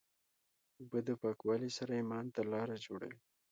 اوبه د پاکوالي سره ایمان ته لاره جوړوي.